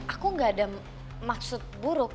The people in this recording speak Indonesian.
aku gak ada maksud buruk